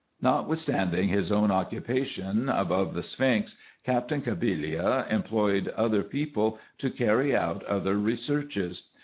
Notwithstanding his own occupation about the sphinx, Captain Cabillia employed other people to carry on other researches.